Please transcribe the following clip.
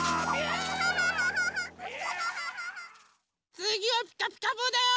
つぎは「ピカピカブ！」だよ。